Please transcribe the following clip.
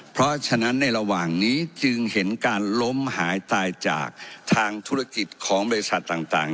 เพราะฉะนั้นในระหว่างนี้จึงเห็นการล้มหายตายจากทางธุรกิจของบริษัทต่าง